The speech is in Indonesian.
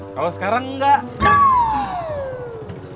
kalau sekarang enggak